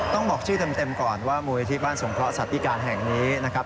บอกชื่อเต็มก่อนว่ามูลนิธิบ้านสงเคราะสัตว์พิการแห่งนี้นะครับ